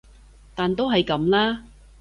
但都係噉啦